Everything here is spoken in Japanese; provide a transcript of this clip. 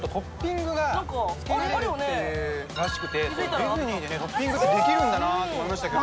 ディズニーでトッピングってできるんだなと思いましたけど。